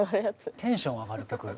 テンション上がる曲？